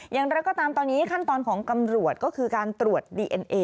อย่างไรก็ตามตอนนี้ขั้นตอนของตำรวจก็คือการตรวจดีเอ็นเอ